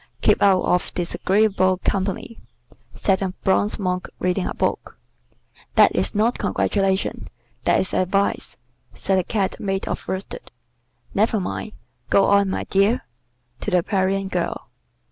"Keep out of disagreeable company," said the bronze Monk reading a book. "That is not congratulation; that is advice," said the Cat made of worsted. "Never mind, go on, my dear," to the Parian girl.